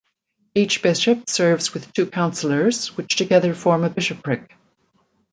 Each bishop serves with two counselors, which together form a bishopric.